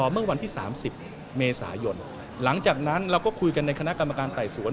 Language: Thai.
เมื่อวันที่๓๐เมษายนหลังจากนั้นเราก็คุยกันในคณะกรรมการไต่สวน